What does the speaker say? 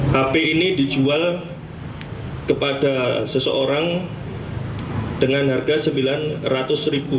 hp ini dijual kepada seseorang dengan harga rp sembilan ratus